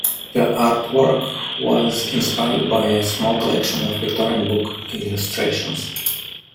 The artwork was inspired by a small collection of Victorian book illustrations.